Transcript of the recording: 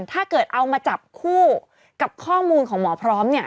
ถ้าเกิดเอามาจับคู่กับข้อมูลของหมอพร้อมเนี่ย